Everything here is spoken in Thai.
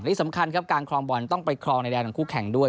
ที่สำคัญครับการครองบอลต้องไปครองในแดนของคู่แข่งด้วย